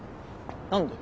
何で？